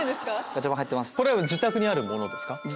これ自宅にあるものですか？